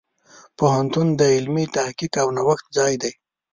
پوهنتون د علمي تحقیق او نوښت ځای دی.